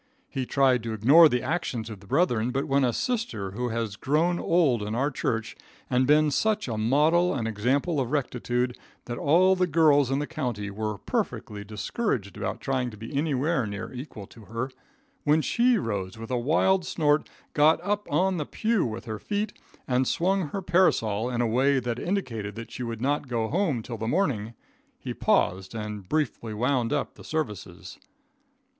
He tried to ignore the action of the brethren, but when a sister who has grown old in our church, and been such a model and example of rectitude that all the girls in the county were perfectly discouraged about trying to be anywhere near equal to her; when she rose with a wild snort, got up on the pew with her feet, and swung her parasol in a way that indicated that she would not go home till morning, he paused and briefly wound up the services.